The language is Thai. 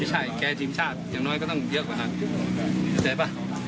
ไม่ใช่แกทีมชาติอย่างน้อยก็ต้องเยอะกว่านั้นเห็นไหม